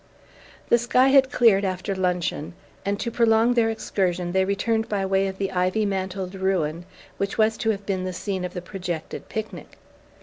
The sky had cleared after luncheon, and to prolong their excursion they returned by way of the ivy mantled ruin which was to have been the scene of the projected picnic.